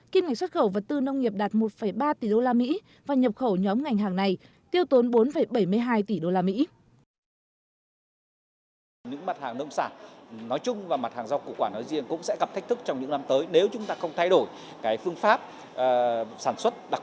kim ngành xuất khẩu vật tư nông nghiệp đạt một ba tỷ usd và nhập khẩu nhóm ngành hàng này tiêu tốn bốn bảy mươi hai tỷ usd